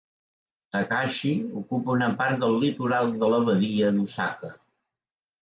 Takaishi ocupa una part del litoral de la badia d'Osaka.